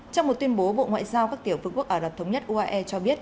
trong một tuyên bố bộ ngoại giao các tiểu phương quốc ả rập thống nhất uae cho biết